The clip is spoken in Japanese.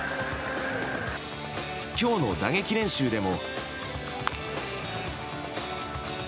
今日の打撃練習でも。